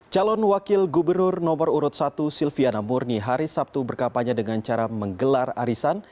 calon wakil gubernur nomor urut satu silviana murni hari sabtu berkampanye dengan cara menggelar arisan